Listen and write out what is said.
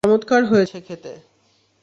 চমৎকার হয়েছে খেতে!